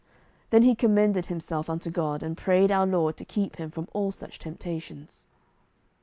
Then he commended himself unto God, and prayed our Lord to keep him from all such temptations.